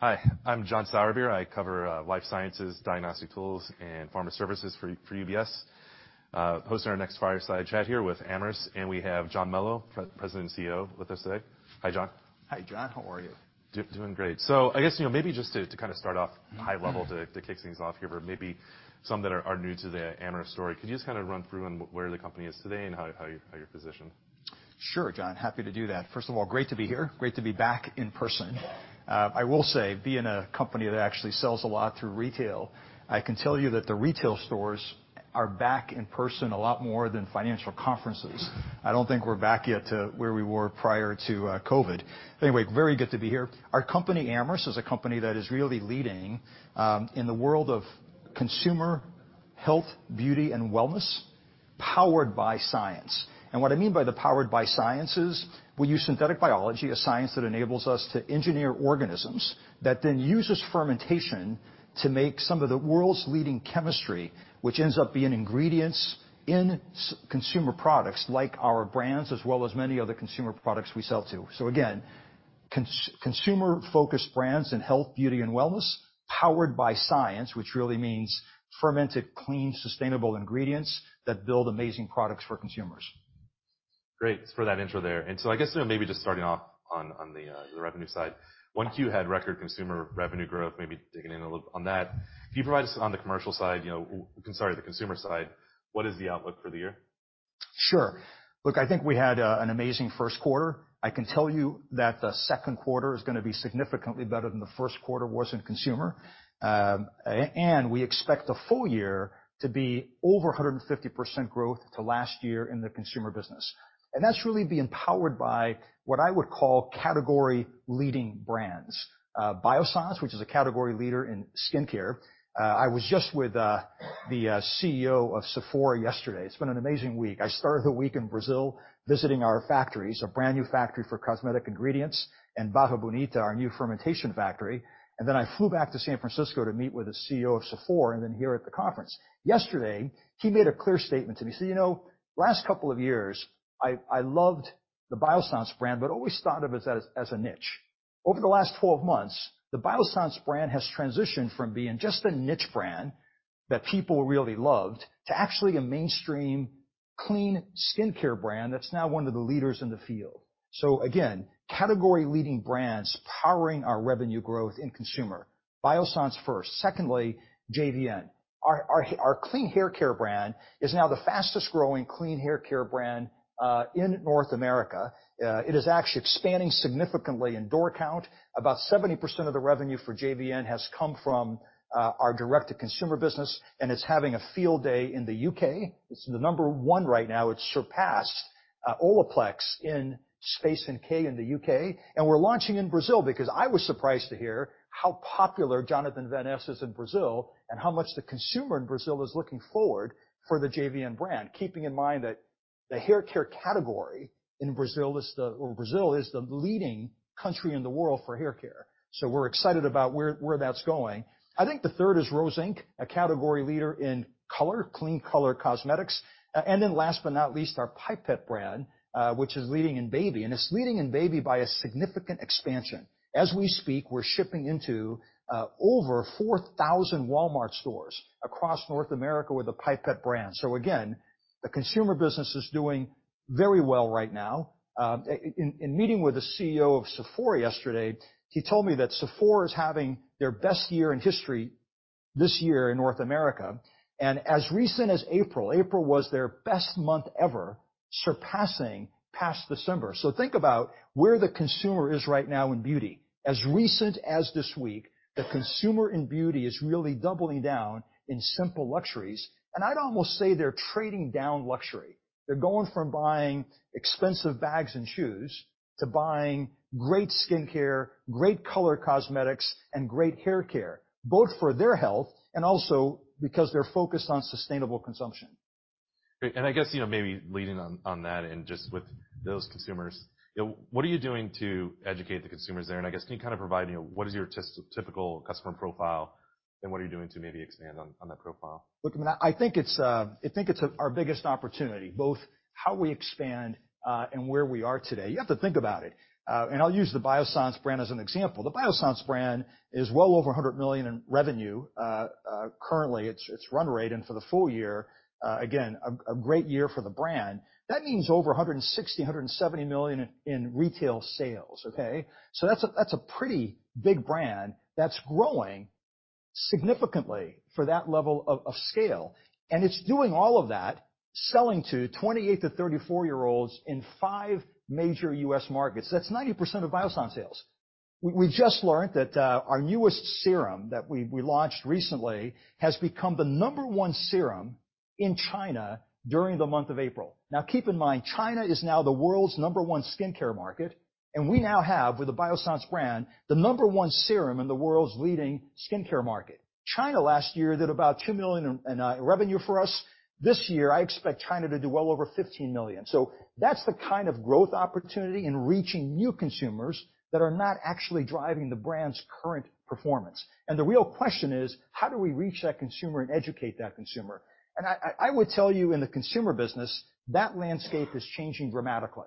Hi. I'm John Sourbeer. I cover life sciences, diagnostic tools, and pharma services for UBS, hosting our next fireside chat here with Amyris, and we have John Melo, President and CEO, with us today. Hi, John. Hi, John. How are you? Doing great. I guess, you know, maybe just to kinda start off high level to kick things off here, but maybe some that are new to the Amyris story, could you just kinda run through on where the company is today and how you're positioned? Sure, John. Happy to do that. First of all, great to be here. Great to be back in person. I will say, being a company that actually sells a lot through retail, I can tell you that the retail stores are back in person a lot more than financial conferences. I don't think we're back yet to where we were prior to COVID. Anyway, very good to be here. Our company, Amyris, is a company that is really leading in the world of consumer health, beauty, and wellness, powered by science, and what I mean by the powered by science is we use synthetic biology, a science that enables us to engineer organisms that then use this fermentation to make some of the world's leading chemistry, which ends up being ingredients in consumer products like our brands, as well as many other consumer products we sell to. Again, consumer-focused brands in health, beauty, and wellness, powered by science, which really means fermented, clean, sustainable ingredients that build amazing products for consumers. Great for that intro there. So I guess, you know, maybe just starting off on the revenue side, one key highlight, record consumer revenue growth, maybe digging in a little bit on that. Can you provide us on the commercial side, you know, sorry, the consumer side, what is the outlook for the year? Sure. Look, I think we had an amazing first quarter. I can tell you that the second quarter is gonna be significantly better than the first quarter was in consumer. And we expect the full year to be over 150% growth to last year in the consumer business. And that's really being powered by what I would call category leading brands. Biossance, which is a category leader in skincare. I was just with the CEO of Sephora yesterday. It's been an amazing week. I started the week in Brazil visiting our factories, a brand new factory for cosmetic ingredients, and Barra Bonita, our new fermentation factory. And then I flew back to San Francisco to meet with the CEO of Sephora and then here at the conference. Yesterday, he made a clear statement to me. He said, "You know, last couple of years, I loved the Biossance brand but always thought of it as a niche. Over the last 12 months, the Biossance brand has transitioned from being just a niche brand that people really loved to actually a mainstream, clean skincare brand that's now one of the leaders in the field." So again, category leading brands powering our revenue growth in consumer. Biossance first. Secondly, JVN. Our clean hair care brand is now the fastest growing clean hair care brand in North America. It is actually expanding significantly in door count. About 70% of the revenue for JVN has come from our direct-to-consumer business, and it's having a field day in the UK. It's the number one right now. It's surpassed Olaplex in Space NK in the UK. And we're launching in Brazil because I was surprised to hear how popular Jonathan Van Ness is in Brazil and how much the consumer in Brazil is looking forward for the JVN brand, keeping in mind that the hair care category in Brazil is the or Brazil is the leading country in the world for hair care. So we're excited about where that's going. I think the third is Rose Inc, a category leader in color, clean color cosmetics. And then last but not least, our Pipette brand, which is leading in baby. And it's leading in baby by a significant expansion. As we speak, we're shipping into over 4,000 Walmart stores across North America with the Pipette brand. So again, the consumer business is doing very well right now. And meeting with the CEO of Sephora yesterday, he told me that Sephora is having their best year in history this year in North America. And as recently as April, April was their best month ever, surpassing past December. So think about where the consumer is right now in beauty. As recently as this week, the consumer in beauty is really doubling down in simple luxuries. And I'd almost say they're trading down luxury. They're going from buying expensive bags and shoes to buying great skincare, great color cosmetics, and great hair care, both for their health and also because they're focused on sustainable consumption. I guess, you know, maybe leading on that and just with those consumers, you know, what are you doing to educate the consumers there? I guess can you kinda provide, you know, what is your typical customer profile and what are you doing to maybe expand on that profile? Look, I mean, I think it's our biggest opportunity, both how we expand, and where we are today. You have to think about it. And I'll use the Biossance brand as an example. The Biossance brand is well over $100 million in revenue, currently, its run rate. And for the full year, again, a great year for the brand. That means over $160 to $170 million in retail sales, okay? So that's a pretty big brand that's growing significantly for that level of scale. And it's doing all of that, selling to 28 to 34 year-olds in five major U.S. markets. That's 90% of Biossance sales. We just learned that our newest serum that we launched recently has become the number one serum in China during the month of April. Now, keep in mind, China is now the world's number one skincare market, and we now have, with the Biossance brand, the number one serum in the world's leading skincare market. China last year did about $2 million in revenue for us. This year, I expect China to do well over $15 million. So that's the kind of growth opportunity in reaching new consumers that are not actually driving the brand's current performance. And the real question is, how do we reach that consumer and educate that consumer? And I would tell you in the consumer business, that landscape is changing dramatically,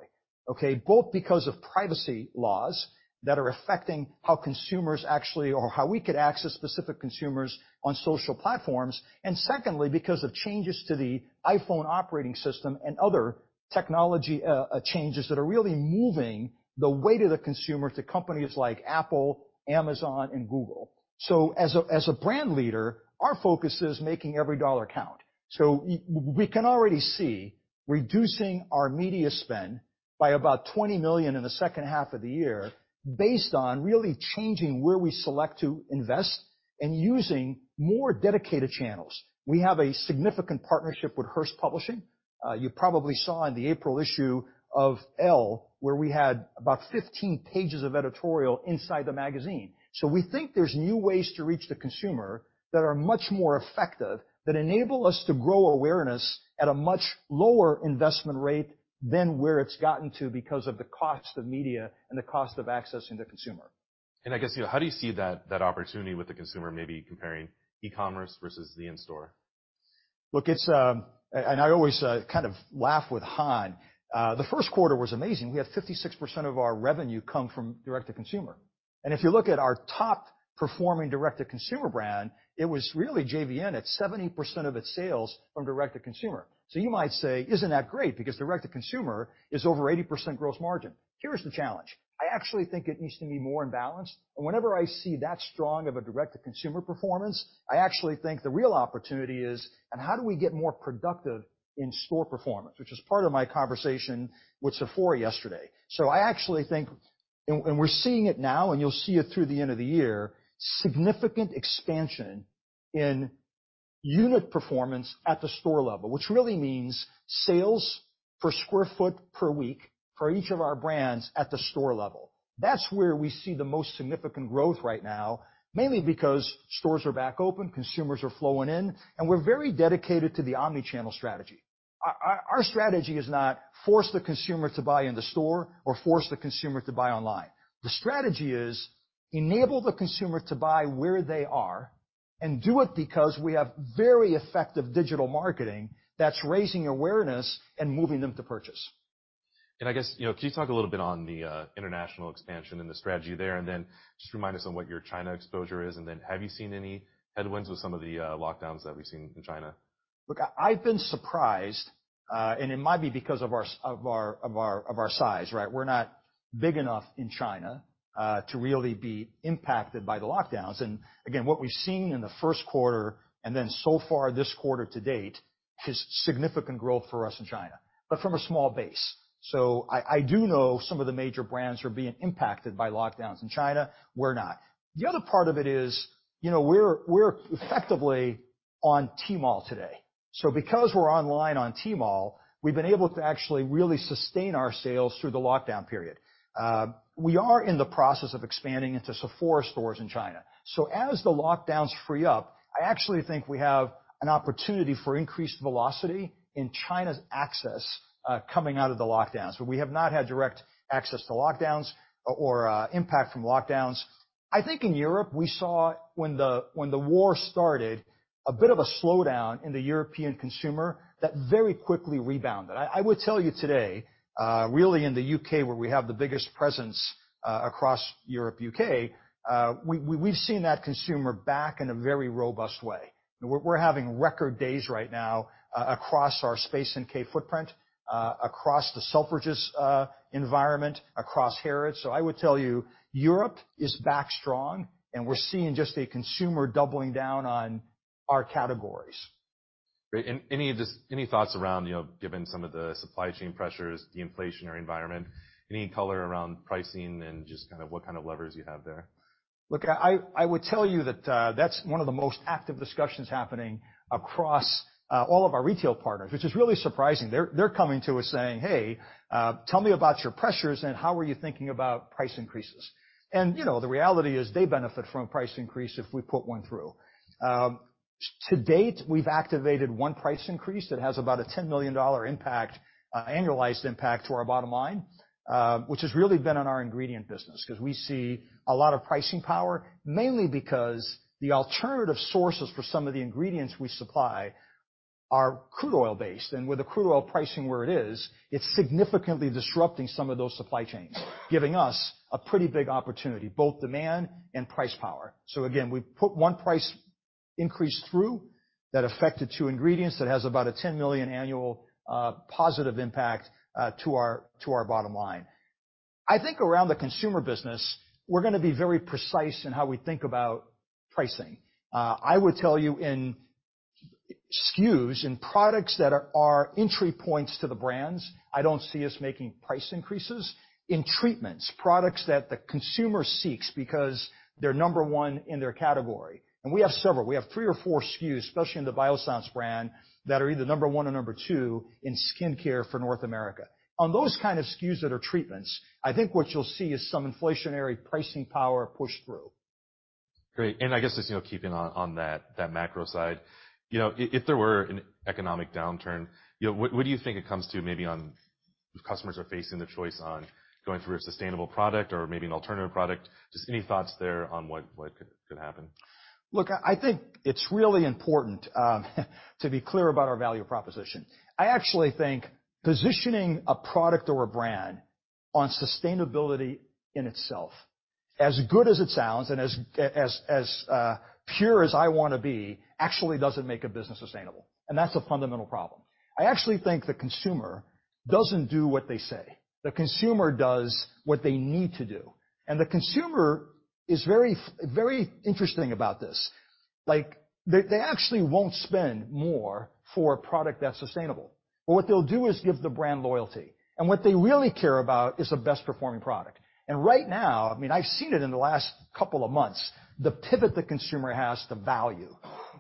okay, both because of privacy laws that are affecting how consumers actually or how we could access specific consumers on social platforms, and secondly, because of changes to the iPhone operating system and other technology, changes that are really moving the weight of the consumer to companies like Apple, Amazon, and Google. So as a brand leader, our focus is making every dollar count. So we can already see reducing our media spend by about $20 million in the second half of the year based on really changing where we select to invest and using more dedicated channels. We have a significant partnership with Hearst Publishing. You probably saw in the April issue of Elle, where we had about 15 pages of editorial inside the magazine. So we think there's new ways to reach the consumer that are much more effective, that enable us to grow awareness at a much lower investment rate than where it's gotten to because of the cost of media and the cost of accessing the consumer. I guess, you know, how do you see that opportunity with the consumer, maybe comparing e-commerce versus the in-store? Look, it's and I always kind of laugh with Han. The first quarter was amazing. We had 56% of our revenue come from direct-to-consumer. And if you look at our top-performing direct-to-consumer brand, it was really JVN at 70% of its sales from direct-to-consumer. So you might say, "Isn't that great? Because direct-to-consumer is over 80% gross margin." Here's the challenge. I actually think it needs to be more in balance. And whenever I see that strong of a direct-to-consumer performance, I actually think the real opportunity is and how do we get more productive in store performance, which is part of my conversation with Sephora yesterday. So I actually think, and we're seeing it now, and you'll see it through the end of the year, significant expansion in unit performance at the store level, which really means sales per sq ft per week for each of our brands at the store level. That's where we see the most significant growth right now, mainly because stores are back open, consumers are flowing in, and we're very dedicated to the omnichannel strategy. Our strategy is not force the consumer to buy in the store or force the consumer to buy online. The strategy is enable the consumer to buy where they are and do it because we have very effective digital marketing that's raising awareness and moving them to purchase. I guess, you know, can you talk a little bit on the, international expansion and the strategy there? Just remind us on what your China exposure is. Have you seen any headwinds with some of the, lockdowns that we've seen in China? Look, I've been surprised, and it might be because of our size, right? We're not big enough in China to really be impacted by the lockdowns. And again, what we've seen in the first quarter and then so far this quarter to date is significant growth for us in China, but from a small base. So I do know some of the major brands are being impacted by lockdowns in China. We're not. The other part of it is, you know, we're effectively on Tmall today. So because we're online on Tmall, we've been able to actually really sustain our sales through the lockdown period. We are in the process of expanding into Sephora stores in China. So as the lockdowns free up, I actually think we have an opportunity for increased velocity in China's access, coming out of the lockdowns. But we have not had direct access to lockdowns or impact from lockdowns. I think in Europe, we saw when the war started, a bit of a slowdown in the European consumer that very quickly rebounded. I would tell you today, really in the UK, where we have the biggest presence across Europe, UK, we've seen that consumer back in a very robust way. We're having record days right now, across our Space NK footprint, across the Selfridges environment, across Harrods. So I would tell you Europe is back strong, and we're seeing just a consumer doubling down on our categories. Great. And any of this, any thoughts around, you know, given some of the supply chain pressures, the inflationary environment, any color around pricing and just kind of what kind of levers you have there? Look, I would tell you that that's one of the most active discussions happening across all of our retail partners, which is really surprising. They're coming to us saying, "Hey, tell me about your pressures and how are you thinking about price increases?" And you know, the reality is they benefit from a price increase if we put one through. To date, we've activated one price increase that has about a $10 million impact, annualized impact to our bottom line, which has really been on our ingredient business 'cause we see a lot of pricing power, mainly because the alternative sources for some of the ingredients we supply are crude oil-based. And with the crude oil pricing where it is, it's significantly disrupting some of those supply chains, giving us a pretty big opportunity, both demand and price power. So again, we put one price increase through that affected two ingredients that has about a $10 million annual positive impact to our bottom line. I think around the consumer business, we're gonna be very precise in how we think about pricing. I would tell you in SKUs, in products that are entry points to the brands, I don't see us making price increases. In treatments, products that the consumer seeks because they're number one in their category, and we have several. We have three or four SKUs, especially in the Biossance brand, that are either number one or number two in skincare for North America. On those kind of SKUs that are treatments, I think what you'll see is some inflationary pricing power pushed through. Great. And I guess just, you know, keeping on that macro side, you know, if there were an economic downturn, you know, what do you think it comes to maybe on if customers are facing the choice on going through a sustainable product or maybe an alternative product? Just any thoughts there on what could happen? Look, I think it's really important to be clear about our value proposition. I actually think positioning a product or a brand on sustainability in itself, as good as it sounds and as pure as I wanna be, actually doesn't make a business sustainable. And that's a fundamental problem. I actually think the consumer doesn't do what they say. The consumer does what they need to do. And the consumer is very, very interested about this. Like, they actually won't spend more for a product that's sustainable. But what they'll do is give the brand loyalty. And what they really care about is a best-performing product. And right now, I mean, I've seen it in the last couple of months, the pivot the consumer has to value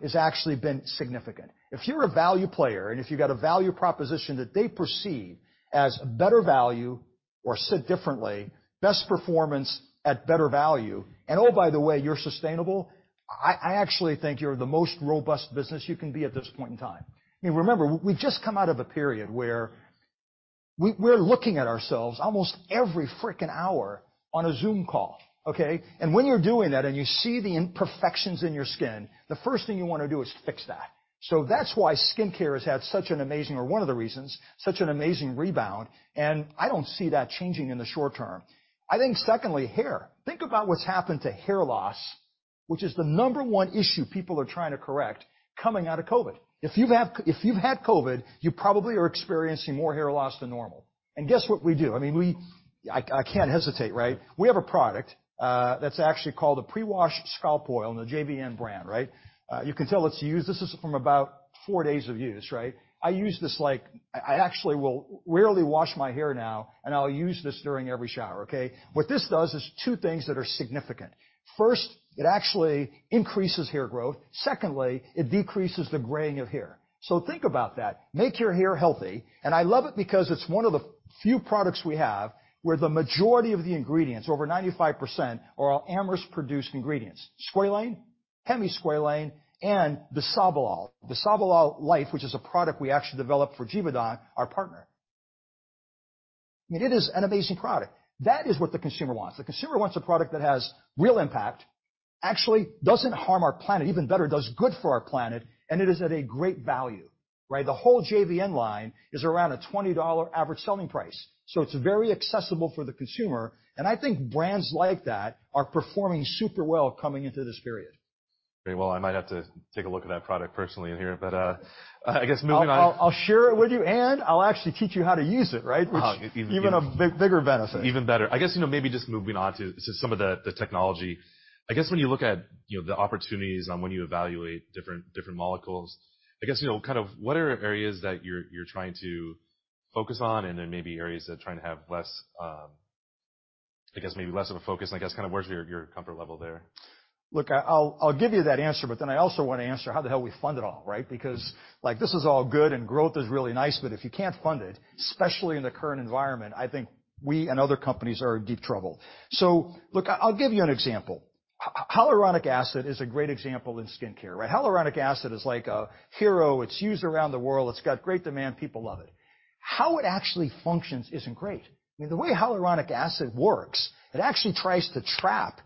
has actually been significant. If you're a value player and if you've got a value proposition that they perceive as better value or sit differently, best performance at better value, and oh, by the way, you're sustainable, I actually think you're the most robust business you can be at this point in time. I mean, remember, we've just come out of a period where we're looking at ourselves almost every freaking hour on a Zoom call, okay? And when you're doing that and you see the imperfections in your skin, the first thing you wanna do is fix that. So that's why skincare has had such an amazing, or one of the reasons, such an amazing rebound. And I don't see that changing in the short term. I think secondly, hair. Think about what's happened to hair loss, which is the number one issue people are trying to correct coming out of COVID. If you've had COVID, you probably are experiencing more hair loss than normal. Guess what we do? I mean, I can't hesitate, right? We have a product that's actually called a pre-wash scalp oil in the JVN brand, right? You can tell it's used. This is from about four days of use, right? I use this like I actually will rarely wash my hair now, and I'll use this during every shower, okay? What this does is two things that are significant. First, it actually increases hair growth. Secondly, it decreases the graying of hair. Think about that. Make your hair healthy. I love it because it's one of the few products we have where the majority of the ingredients, over 95%, are our Amyris-produced ingredients: squalane, hemisqualane, and bisabolol. BisaboLife, which is a product we actually developed for Givaudan, our partner. I mean, it is an amazing product. That is what the consumer wants. The consumer wants a product that has real impact, actually doesn't harm our planet, even better, does good for our planet, and it is at a great value, right? The whole JVN line is around a $20 average selling price. So it's very accessible for the consumer. I think brands like that are performing super well coming into this period. Great. Well, I might have to take a look at that product personally in here, but, I guess moving on. I'll share it with you, and I'll actually teach you how to use it, right? Wow. Even better. Even a bigger benefit. Even better. I guess, you know, maybe just moving on to some of the technology. I guess when you look at, you know, the opportunities on when you evaluate different molecules, I guess, you know, kind of what are areas that you're trying to focus on and then maybe areas that are trying to have less, I guess maybe less of a focus and I guess kind of where's your comfort level there? Look, I'll give you that answer, but then I also wanna answer how the hell we fund it all, right? Because, like, this is all good and growth is really nice, but if you can't fund it, especially in the current environment, I think we and other companies are in deep trouble. So look, I'll give you an example. Hyaluronic acid is a great example in skincare, right? Hyaluronic acid is like a hero. It's used around the world. It's got great demand. People love it. How it actually functions isn't great. I mean, the way hyaluronic acid works, it actually tries to trap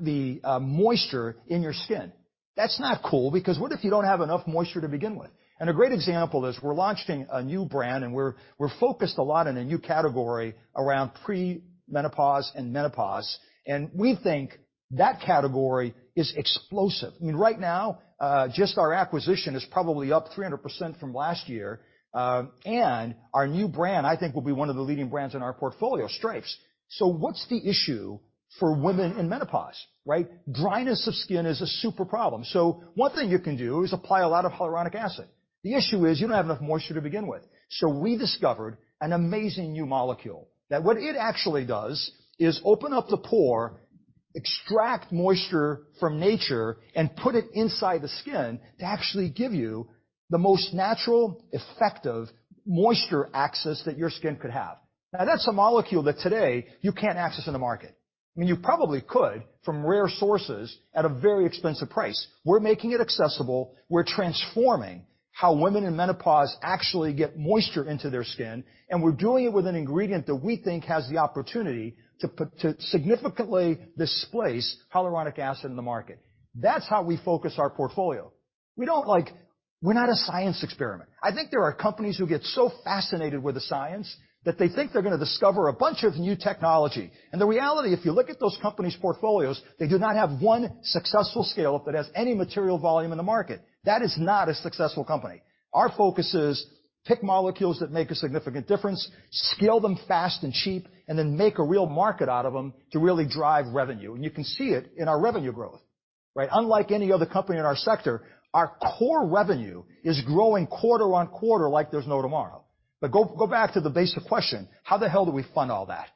the moisture in your skin. That's not cool because what if you don't have enough moisture to begin with, and a great example is we're launching a new brand, and we're focused a lot on a new category around pre-menopause and menopause. And we think that category is explosive. I mean, right now, just our acquisition is probably up 300% from last year. And our new brand, I think, will be one of the leading brands in our portfolio, Stripes. So what's the issue for women in menopause, right? Dryness of skin is a super problem. So one thing you can do is apply a lot of hyaluronic acid. The issue is you don't have enough moisture to begin with. So we discovered an amazing new molecule that what it actually does is open up the pore, extract moisture from nature, and put it inside the skin to actually give you the most natural, effective moisture access that your skin could have. Now, that's a molecule that today you can't access in the market. I mean, you probably could from rare sources at a very expensive price. We're making it accessible. We're transforming how women in menopause actually get moisture into their skin, and we're doing it with an ingredient that we think has the opportunity to to significantly displace hyaluronic acid in the market. That's how we focus our portfolio. We don't. Like, we're not a science experiment. I think there are companies who get so fascinated with the science that they think they're gonna discover a bunch of new technology, and the reality, if you look at those companies' portfolios, they do not have one successful scale-up that has any material volume in the market. That is not a successful company. Our focus is pick molecules that make a significant difference, scale them fast and cheap, and then make a real market out of them to really drive revenue, and you can see it in our revenue growth, right? Unlike any other company in our sector, our core revenue is growing quarter on quarter like there's no tomorrow, but go back to the basic question: how the hell do we fund all that?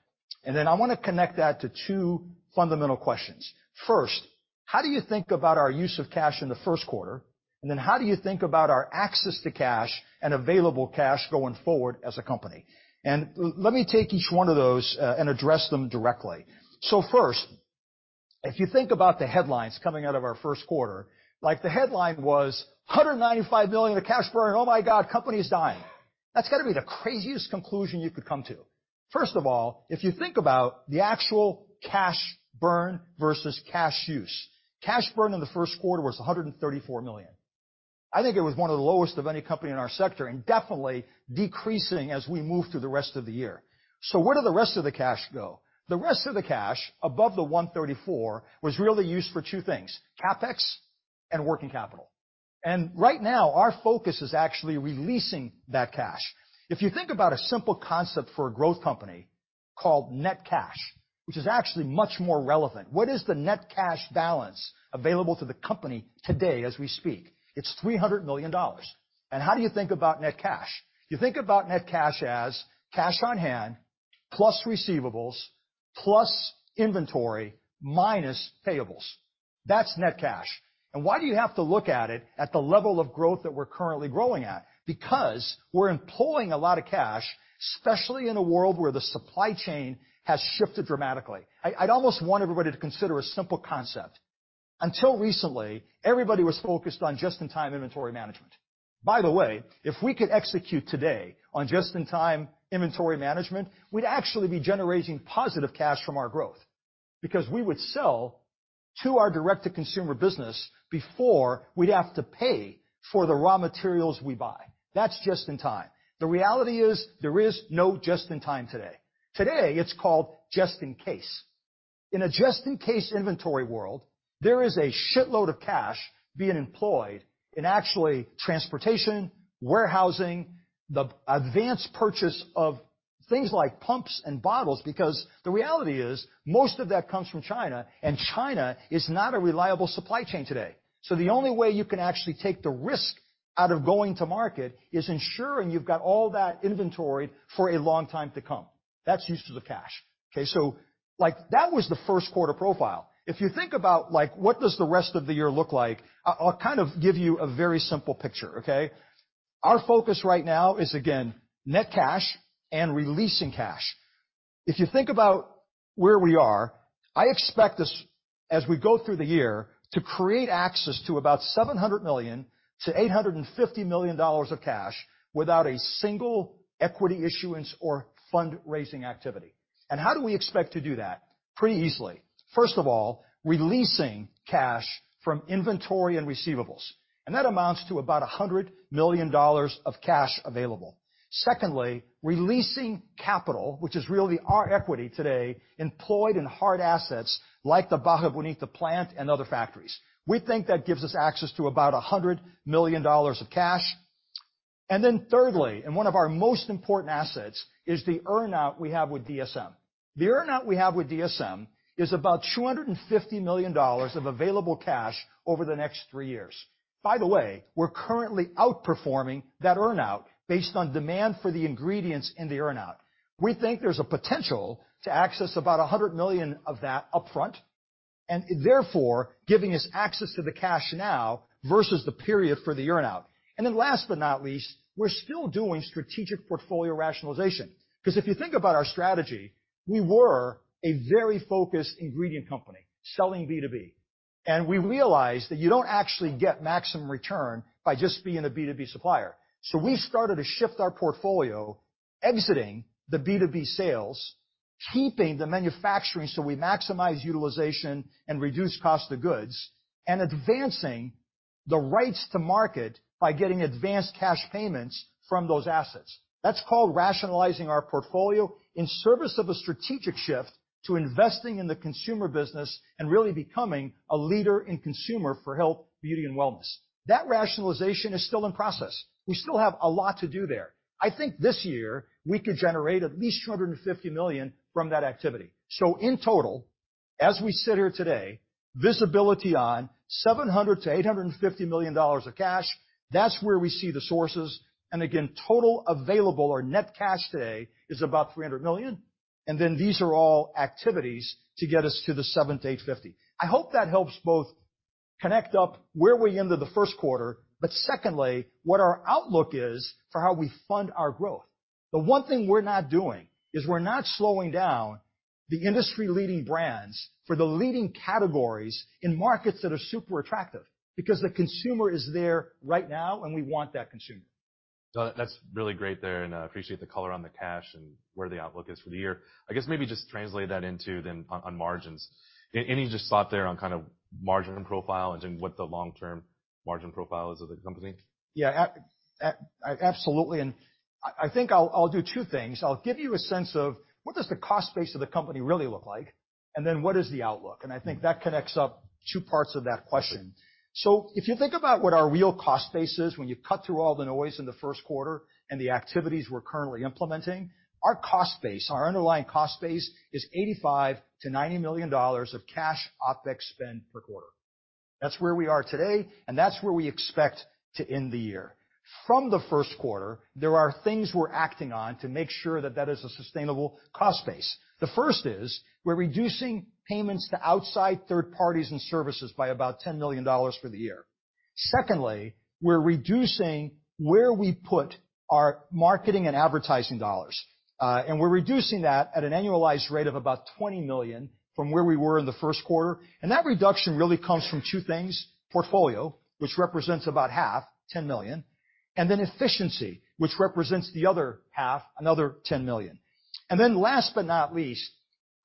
And then I wanna connect that to two fundamental questions. First, how do you think about our use of cash in the first quarter? And then how do you think about our access to cash and available cash going forward as a company? And let me take each one of those, and address them directly. So first, if you think about the headlines coming out of our first quarter, like the headline was, "$195 million of cash burn. Oh my God, company's dying." That's gotta be the craziest conclusion you could come to. First of all, if you think about the actual cash burn versus cash use, cash burn in the first quarter was $134 million. I think it was one of the lowest of any company in our sector and definitely decreasing as we move through the rest of the year. So where did the rest of the cash go? The rest of the cash above the 134 was really used for two things: CapEx and working capital. And right now, our focus is actually releasing that cash. If you think about a simple concept for a growth company called net cash, which is actually much more relevant, what is the net cash balance available to the company today as we speak? It's $300 million. And how do you think about net cash? You think about net cash as cash on hand plus receivables plus inventory minus payables. That's net cash. Why do you have to look at it at the level of growth that we're currently growing at? Because we're employing a lot of cash, especially in a world where the supply chain has shifted dramatically. I'd almost want everybody to consider a simple concept. Until recently, everybody was focused on just in time inventory management. By the way, if we could execute today on just in time inventory management, we'd actually be generating positive cash from our growth because we would sell to our direct-to-consumer business before we'd have to pay for the raw materials we buy. That's just in time. The reality is there is no just in time today. Today, it's called just in case. In a just in case inventory world, there is a shitload of cash being employed in actually transportation, warehousing, the advanced purchase of things like pumps and bottles because the reality is most of that comes from China, and China is not a reliable supply chain today. So the only way you can actually take the risk out of going to market is ensuring you've got all that inventory for a long time to come. That's uses of cash, okay? So like that was the first quarter profile. If you think about like what does the rest of the year look like, I'll kind of give you a very simple picture, okay? Our focus right now is, again, net cash and releasing cash. If you think about where we are, I expect us, as we go through the year, to create access to about $700 million to $850 million of cash without a single equity issuance or fundraising activity, and how do we expect to do that? Pretty easily. First of all, releasing cash from inventory and receivables, and that amounts to about $100 million of cash available. Secondly, releasing capital, which is really our equity today employed in hard assets like the Barra Bonita plant and other factories. We think that gives us access to about $100 million of cash, and then thirdly, and one of our most important assets is the earnout we have with DSM. The earnout we have with DSM is about $250 million of available cash over the next three years. By the way, we're currently outperforming that earnout based on demand for the ingredients in the earnout. We think there's a potential to access about $100 million of that upfront and therefore giving us access to the cash now versus the period for the earnout. And then last but not least, we're still doing strategic portfolio rationalization. 'Cause if you think about our strategy, we were a very focused ingredient company selling B2B. And we realized that you don't actually get maximum return by just being a B2B supplier. So we started to shift our portfolio, exiting the B2B sales, keeping the manufacturing so we maximize utilization and reduce cost of goods, and advancing the rights to market by getting advanced cash payments from those assets. That's called rationalizing our portfolio in service of a strategic shift to investing in the consumer business and really becoming a leader in consumer for health, beauty, and wellness. That rationalization is still in process. We still have a lot to do there. I think this year we could generate at least $250 million from that activity. So in total, as we sit here today, visibility on $700 to $850 million of cash, that's where we see the sources. And again, total available or net cash today is about $300 million. And then these are all activities to get us to the $700 to $850. I hope that helps both connect up where we ended the first quarter, but secondly, what our outlook is for how we fund our growth. The one thing we're not doing is we're not slowing down the industry leading brands for the leading categories in markets that are super attractive because the consumer is there right now, and we want that consumer. So that's really great there, and I appreciate the color on the cash and where the outlook is for the year. I guess maybe just translate that into then on margins. Any just thought there on kind of margin profile and then what the long-term margin profile is of the company? Yeah, absolutely, and I think I'll do two things. I'll give you a sense of what does the cost base of the company really look like, and then what is the outlook, and I think that connects up two parts of that question, so if you think about what our real cost base is when you cut through all the noise in the first quarter and the activities we're currently implementing, our cost base, our underlying cost base, is $85 to $90 million of cash OpEx spend per quarter. That's where we are today, and that's where we expect to end the year. From the first quarter, there are things we're acting on to make sure that that is a sustainable cost base. The first is we're reducing payments to outside third parties and services by about $10 million for the year. Secondly, we're reducing where we put our marketing and advertising dollars, and we're reducing that at an annualized rate of about $20 million from where we were in the first quarter, and that reduction really comes from two things: portfolio, which represents about half, $10 million, and then efficiency, which represents the other half, another $10 million, and then last but not least,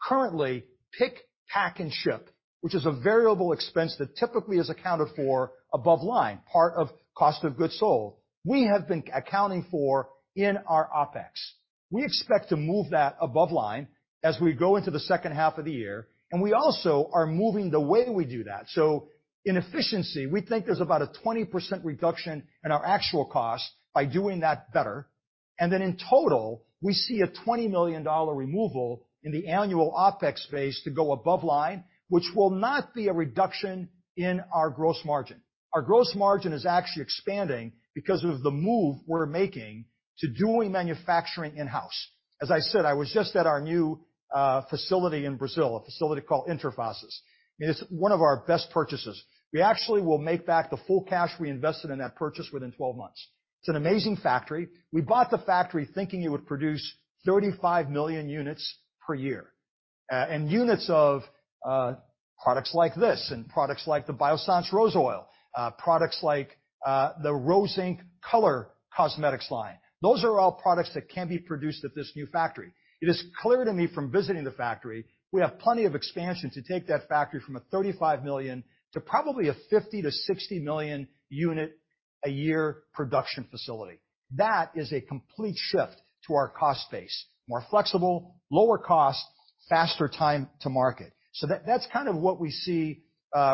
currently, pick, pack, and ship, which is a variable expense that typically is accounted for above line, part of cost of goods sold, we have been accounting for in our OpEx. We expect to move that above line as we go into the second half of the year, and we also are moving the way we do that, so in efficiency, we think there's about a 20% reduction in our actual cost by doing that better. In total, we see a $20 million removal in the annual OpEx space to go above line, which will not be a reduction in our gross margin. Our gross margin is actually expanding because of the move we're making to doing manufacturing in-house. As I said, I was just at our new facility in Brazil, a facility called Intercos. I mean, it's one of our best purchases. We actually will make back the full cash we invested in that purchase within 12 months. It's an amazing factory. We bought the factory thinking it would produce 35 million units per year, and units of products like this and products like the Biossance Rose Oil, products like the Rose Inc color cosmetics line. Those are all products that can be produced at this new factory. It is clear to me from visiting the factory, we have plenty of expansion to take that factory from a 35 million to probably a 50 to 60 million unit a year production facility. That is a complete shift to our cost base, more flexible, lower cost, faster time to market. So that's kind of what we see,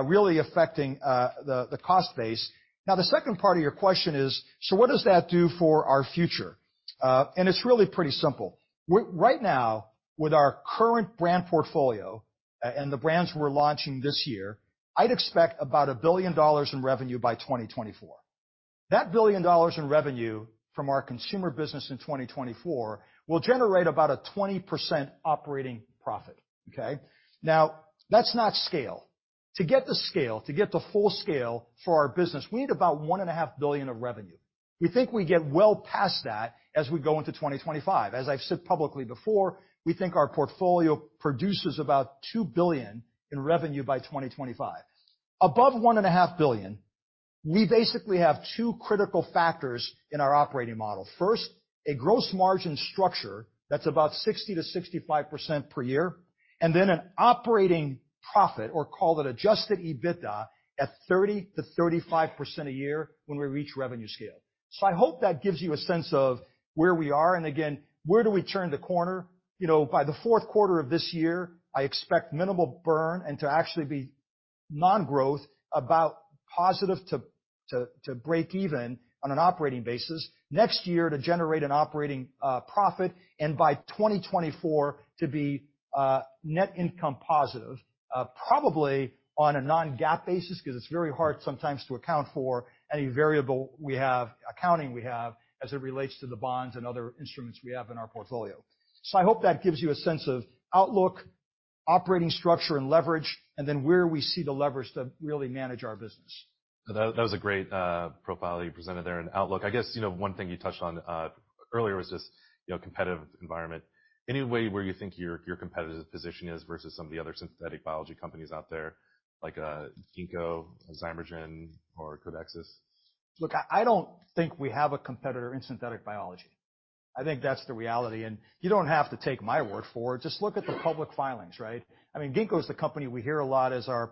really affecting the cost base. Now, the second part of your question is, so what does that do for our future, and it's really pretty simple. We're right now with our current brand portfolio, and the brands we're launching this year, I'd expect about $1 billion in revenue by 2024. That $1 billion in revenue from our consumer business in 2024 will generate about a 20% operating profit, okay? Now, that's not scale. To get the scale, to get the full scale for our business, we need about $1.5 billion of revenue. We think we get well past that as we go into 2025. As I've said publicly before, we think our portfolio produces about $2 billion in revenue by 2025. Above $1.5 billion, we basically have two critical factors in our operating model. First, a gross margin structure that's about 60% to 65% per year, and then an operating profit, or call it Adjusted EBITDA, at 30% to 35% a year when we reach revenue scale. So I hope that gives you a sense of where we are. And again, where do we turn the corner? You know, by the fourth quarter of this year, I expect minimal burn and to actually be non-growth, about positive to break even on an operating basis next year to generate an operating profit, and by 2024 to be net income positive, probably on a non-GAAP basis 'cause it's very hard sometimes to account for any accounting we have as it relates to the bonds and other instruments we have in our portfolio. So I hope that gives you a sense of outlook, operating structure, and leverage, and then where we see the levers to really manage our business. That was a great profile that you presented there and outlook. I guess, you know, one thing you touched on earlier was just, you know, competitive environment. Any way where you think your competitive position is versus some of the other synthetic biology companies out there like Ginkgo, Zymergen, or Codexis? Look, I don't think we have a competitor in synthetic biology. I think that's the reality, and you don't have to take my word for it. Just look at the public filings, right? I mean, Ginkgo is the company we hear a lot as our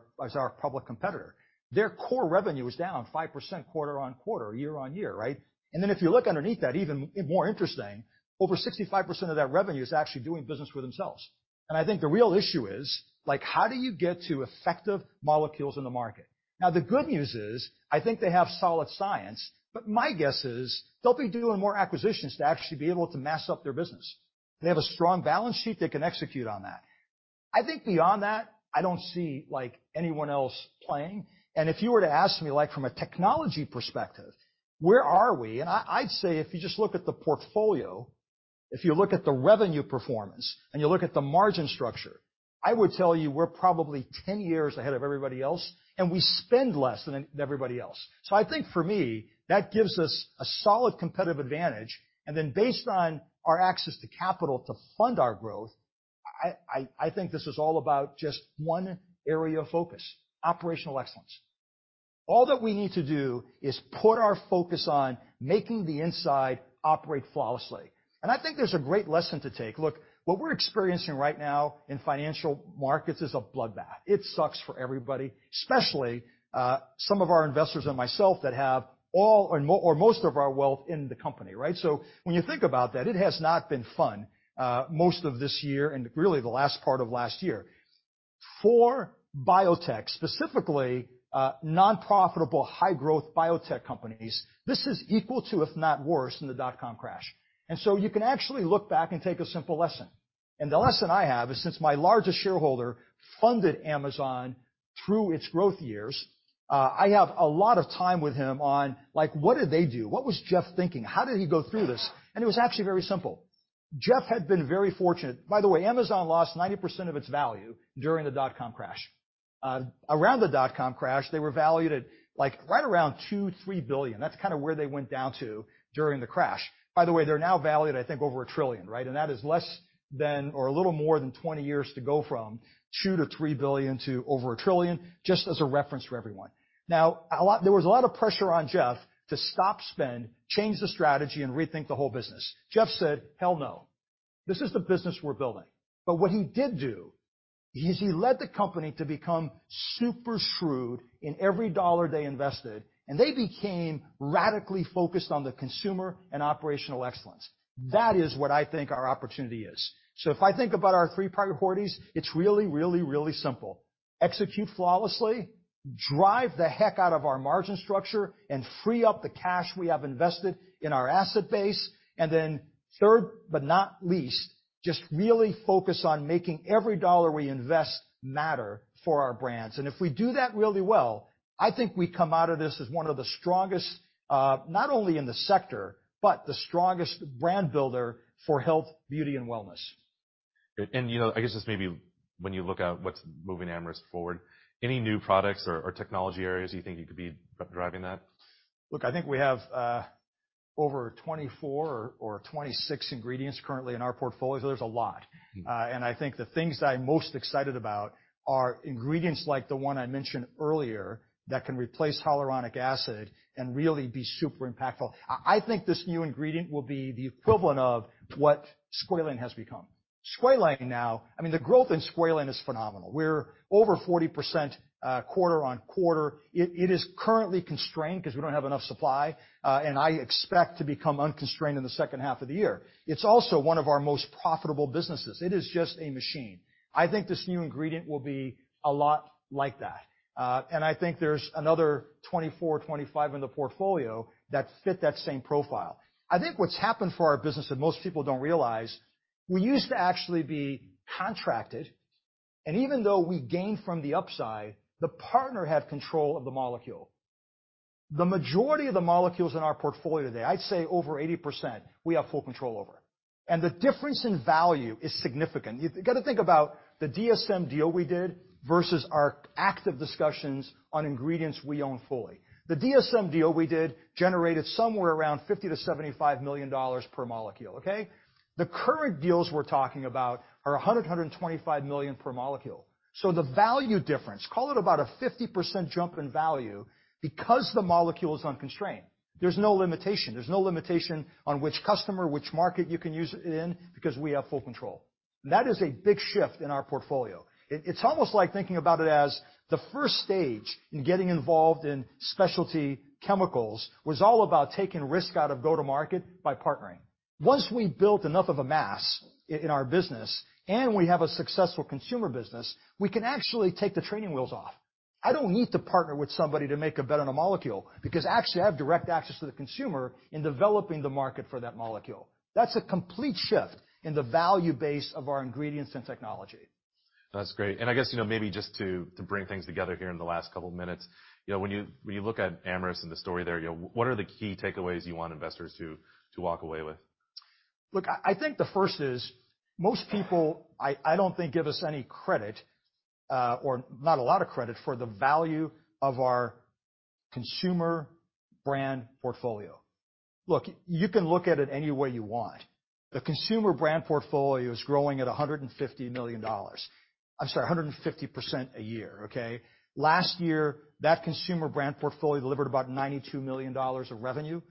public competitor. Their core revenue is down 5% quarter-on-quarter, year-on-year, right, and then if you look underneath that, even more interesting, over 65% of that revenue is actually doing business with themselves, and I think the real issue is, like, how do you get to effective molecules in the market? Now, the good news is I think they have solid science, but my guess is they'll be doing more acquisitions to actually be able to mass up their business. They have a strong balance sheet they can execute on that. I think beyond that, I don't see like anyone else playing. And if you were to ask me, like, from a technology perspective, where are we? And I'd say if you just look at the portfolio, if you look at the revenue performance and you look at the margin structure, I would tell you we're probably 10 years ahead of everybody else, and we spend less than everybody else. So I think for me, that gives us a solid competitive advantage. And then based on our access to capital to fund our growth, I think this is all about just one area of focus: operational excellence. All that we need to do is put our focus on making the inside operate flawlessly. And I think there's a great lesson to take. Look, what we're experiencing right now in financial markets is a bloodbath. It sucks for everybody, especially some of our investors and myself that have all or most of our wealth in the company, right? So when you think about that, it has not been fun, most of this year and really the last part of last year. For biotech, specifically, nonprofitable high-growth biotech companies, this is equal to, if not worse, than the dot-com crash. And so you can actually look back and take a simple lesson. And the lesson I have is since my largest shareholder funded Amazon through its growth years, I have a lot of time with him on, like, what did they do? What was Jeff thinking? How did he go through this? And it was actually very simple. Jeff had been very fortunate. By the way, Amazon lost 90% of its value during the dot-com crash. Around the dot-com crash, they were valued at like right around $2 to $3 billion. That's kind of where they went down to during the crash. By the way, they're now valued, I think, over $1 trillion, right? And that is less than or a little more than 20 years to go from $2 to $3 billion to over $1 trillion, just as a reference for everyone. Now, a lot. There was a lot of pressure on Jeff to stop spending, change the strategy, and rethink the whole business. Jeff said, "Hell no. This is the business we're building." But what he did do is he led the company to become super shrewd in every dollar they invested, and they became radically focused on the consumer and operational excellence. That is what I think our opportunity is. If I think about our three priorities, it's really, really, really simple: execute flawlessly, drive the heck out of our margin structure, and free up the cash we have invested in our asset base. Third, but not least, just really focus on making every dollar we invest matter for our brands. If we do that really well, I think we come out of this as one of the strongest, not only in the sector, but the strongest brand builder for health, beauty, and wellness. You know, I guess just maybe when you look at what's moving Amyris forward, any new products or technology areas you think you could be driving that? Look, I think we have over 24 or 26 ingredients currently in our portfolio. So there's a lot, and I think the things I'm most excited about are ingredients like the one I mentioned earlier that can replace hyaluronic acid and really be super impactful. I think this new ingredient will be the equivalent of what squalane has become. Squalane now, I mean, the growth in squalane is phenomenal. We're over 40% quarter on quarter. It is currently constrained 'cause we don't have enough supply, and I expect to become unconstrained in the second half of the year. It's also one of our most profitable businesses. It is just a machine. I think this new ingredient will be a lot like that, and I think there's another 24, 25 in the portfolio that fit that same profile. I think what's happened for our business that most people don't realize, we used to actually be contracted, and even though we gained from the upside, the partner had control of the molecule. The majority of the molecules in our portfolio today, I'd say over 80%, we have full control over, and the difference in value is significant. You gotta think about the DSM deal we did versus our active discussions on ingredients we own fully. The DSM deal we did generated somewhere around $50 to $75 million per molecule, okay? The current deals we're talking about are $100 to $125 million per molecule, so the value difference, call it about a 50% jump in value because the molecule is unconstrained. There's no limitation. There's no limitation on which customer, which market you can use it in because we have full control. That is a big shift in our portfolio. It's almost like thinking about it as the first stage in getting involved in specialty chemicals was all about taking risk out of go-to-market by partnering. Once we built enough of a mass in our business and we have a successful consumer business, we can actually take the training wheels off. I don't need to partner with somebody to make a bet on a molecule because actually I have direct access to the consumer in developing the market for that molecule. That's a complete shift in the value base of our ingredients and technology. That's great. And I guess, you know, maybe just to bring things together here in the last couple of minutes, you know, when you look at Amyris and the story there, you know, what are the key takeaways you want investors to walk away with? Look, I think the first is most people. I don't think give us any credit, or not a lot of credit for the value of our consumer brand portfolio. Look, you can look at it any way you want. The consumer brand portfolio is growing at $150 million. I'm sorry, 150% a year, okay? Last year, that consumer brand portfolio delivered about $92 million of revenue.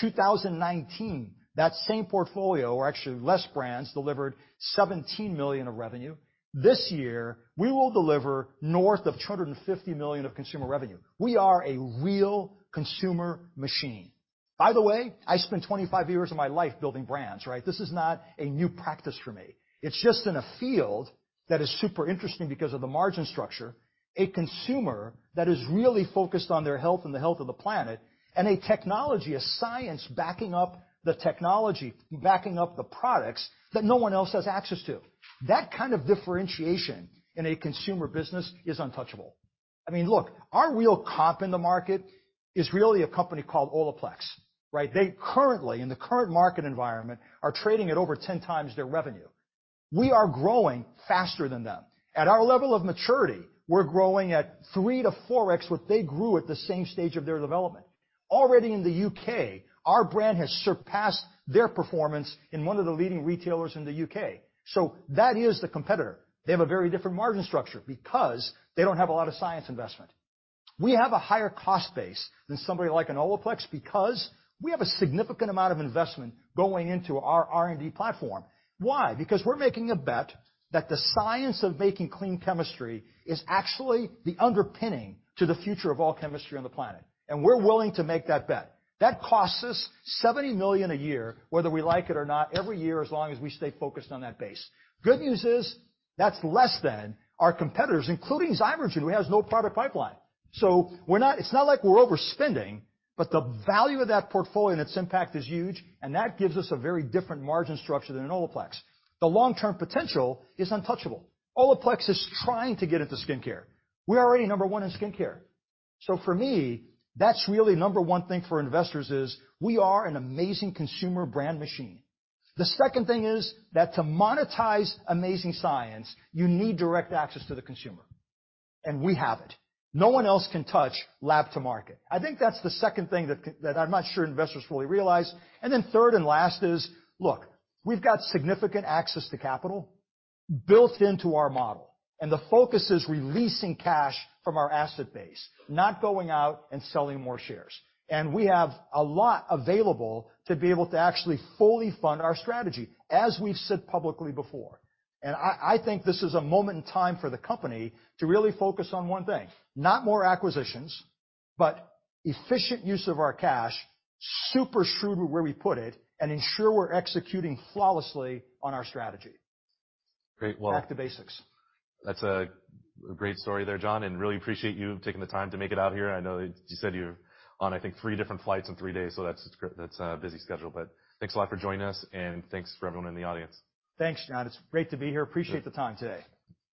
2019, that same portfolio, or actually less brands, delivered $17 million of revenue. This year, we will deliver north of $250 million of consumer revenue. We are a real consumer machine. By the way, I spent 25 years of my life building brands, right? This is not a new practice for me. It's just in a field that is super interesting because of the margin structure, a consumer that is really focused on their health and the health of the planet, and a technology, a science backing up the technology, backing up the products that no one else has access to. That kind of differentiation in a consumer business is untouchable. I mean, look, our real comp in the market is really a company called Olaplex, right? They currently, in the current market environment, are trading at over 10 times their revenue. We are growing faster than them. At our level of maturity, we're growing at 3 to 4X what they grew at the same stage of their development. Already in the U.K., our brand has surpassed their performance in one of the leading retailers in the U.K. So that is the competitor. They have a very different margin structure because they don't have a lot of science investment. We have a higher cost base than somebody like an Olaplex because we have a significant amount of investment going into our R&D platform. Why? Because we're making a bet that the science of making clean chemistry is actually the underpinning to the future of all chemistry on the planet. And we're willing to make that bet. That costs us $70 million a year, whether we like it or not, every year, as long as we stay focused on that base. Good news is that's less than our competitors, including Zymergen, who has no product pipeline. So we're not, it's not like we're overspending, but the value of that portfolio and its impact is huge, and that gives us a very different margin structure than an Olaplex. The long-term potential is untouchable. Olaplex is trying to get into skincare. We're already number one in skincare. So for me, that's really number one thing for investors is we are an amazing consumer brand machine. The second thing is that to monetize amazing science, you need direct access to the consumer. And we have it. No one else can touch lab to market. I think that's the second thing that I'm not sure investors fully realize. And then third and last is, look, we've got significant access to capital built into our model. And the focus is releasing cash from our asset base, not going out and selling more shares. And we have a lot available to be able to actually fully fund our strategy as we've said publicly before. I think this is a moment in time for the company to really focus on one thing: not more acquisitions, but efficient use of our cash, super shrewd with where we put it, and ensure we're executing flawlessly on our strategy. Great. Well. Back to basics. That's a great story there, John. I really appreciate you taking the time to make it out here. I know that you said you're on, I think, three different flights in three days, so that's a busy schedule, but thanks a lot for joining us, and thanks for everyone in the audience. Thanks, John. It's great to be here. Appreciate the time today.